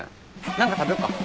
何か食べよっか。